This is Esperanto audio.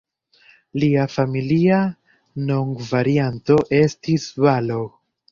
Lia familia nomvarianto estis "Balogh".